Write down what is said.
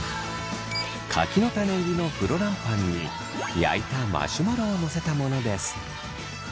柿の種入りのフロランパンに焼いたマシュマロをのせたものです。